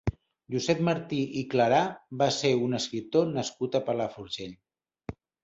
Josep Martí i Clarà va ser un escriptor nascut a Palafrugell.